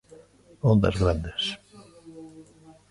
Ondas grandes.